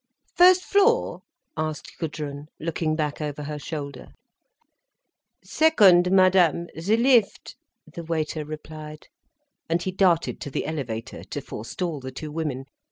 "First floor?" asked Gudrun, looking back over her shoulder. "Second Madam—the lift!" the waiter replied. And he darted to the elevator to forestall the two women.